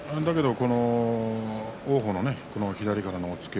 王鵬の左からの押っつけ